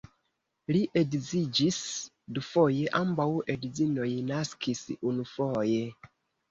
Li edziĝis dufoje, ambaŭ edzinoj naskis unufoje.